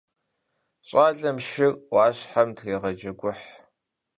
ЩӀалэм шыр Ӏуащхьэм трегъэджэгухь.